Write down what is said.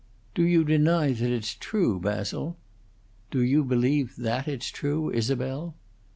"Do you deny that it's true, Basil?" "Do you believe that it's true, Isabel?"